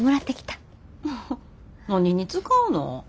何に使うの？